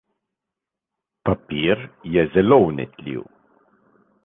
Papir je zelo vnetljiv.